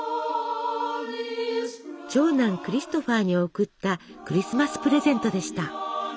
長男クリストファーに贈ったクリスマスプレゼントでした。